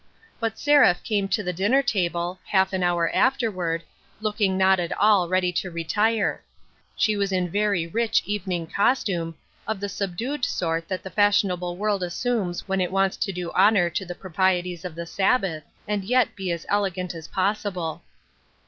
But Seraph came to the dinner table, half an hour afterward, looking not at all ready to retire. 204 A PLAIN UNDERSTANDING. She was in very rich evening costume, of the sub dued sort that the fashionable world assumes when it wants to do honor to the proprieties of the Sab bath, and yet be as elegant as possible.